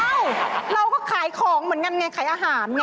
เราก็ขายของเหมือนกันไงขายอาหารไง